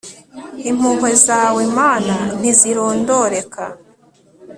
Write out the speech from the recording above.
Impuhwe zawe mana ntizironderako